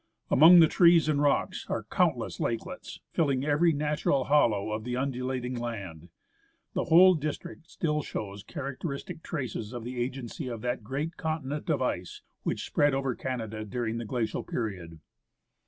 Among the trees and rocks are countless lakelets, filling every natural hollow of the undulating land. The whole district still shows characteristic traces of the agency of that great continent of ice which spread over Canada during the glacial period.